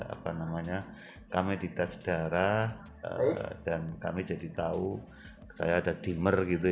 apa namanya kami di tes darah dan kami jadi tahu saya ada dimer gitu ya